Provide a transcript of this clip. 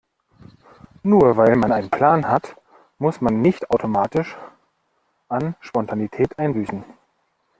Nur weil man einen Plan hat, muss man nicht automatisch an Spontanität einbüßen.